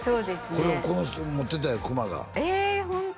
これをこの人持ってたんやくまがえホント？